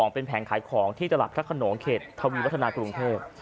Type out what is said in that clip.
เป็นแผงขายของที่ตลับฆาตโขนงเครททวีรัฐนากรุงเทพ